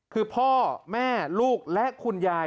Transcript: คือพ่อแม่ลูกและคุณยาย